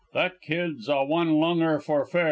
That kid's a one lunger for fair.